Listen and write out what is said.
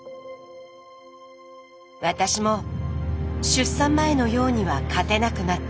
私も出産前のようには勝てなくなったんです。